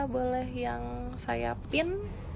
boleh yang sayapin